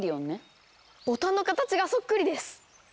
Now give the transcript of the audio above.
ボタンの形がそっくりです！